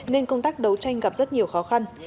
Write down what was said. nên công tác đấu tranh gặp rất nhiều khó khăn